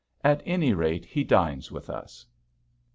At any rate he dines with us.